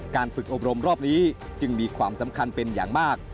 การฝึกอบรมรอบนี้จึงมีความสำคัญเป็นอย่างมาก